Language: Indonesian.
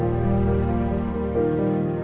aku sopein baru pergi